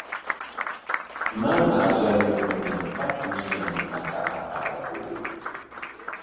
Mamaa yanukunanpaqmi yantata aparquu.